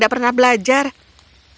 bagaimana kau mempelajari semua metode ini